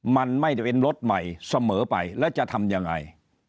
มันไม่ได้เป็นรถใหม่เสมอไปแล้วจะทำยังไง